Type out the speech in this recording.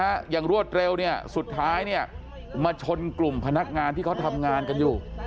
อย่างรวดเร็วเนี่ยสุดท้ายเนี่ยมาชนกลุ่มพนักงานที่เขาทำงานกันอยู่